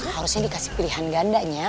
harusnya dikasih pilihan gandanya